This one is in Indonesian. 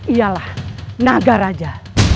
iyalah naga raja